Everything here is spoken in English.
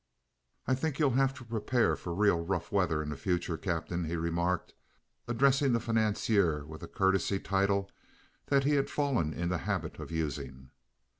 "I think you'll have to prepare for real rough weather in the future, Captain," he remarked, addressing the financier with a courtesy title that he had fallen in the habit of using.